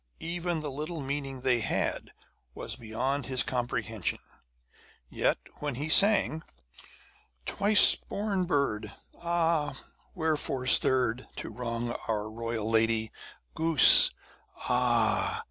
Even the little meaning they had was beyond his comprehension; yet when he sang Twice born bird! ah! wherefore stirred To wrong our royal lady? Goose, ah!